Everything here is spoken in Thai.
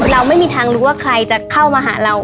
เราไม่มีทางรู้ว่าใครจะเข้ามาหาเรา